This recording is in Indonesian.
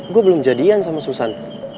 gue belum jadian sama susan